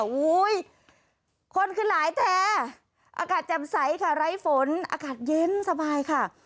โอ้โหคนคือหลายแท้อากาศแจ่มใสค่ะไร้ฝนอากาศเย็นสบายค่ะ